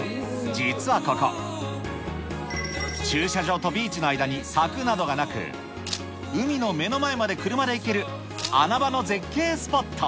実はここ、駐車場とビーチの間に柵などがなく、海の目の前まで車で行ける、穴場の絶景スポット。